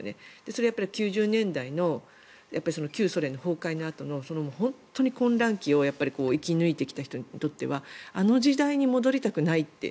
それはやっぱり９０年代の旧ソ連の崩壊のあとの本当に混乱期を生き抜いてきた人にとってはあの時代に戻りたくないって。